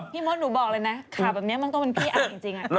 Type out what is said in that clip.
มดหนูบอกเลยนะข่าวแบบนี้มันต้องเป็นพี่อ่านจริง